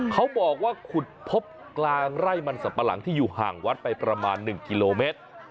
เขาบอกว่าขุดพบกลางไร่มันสับปะหลังที่อยู่ห่างวัดไปประมาณ๑กิโลเมตร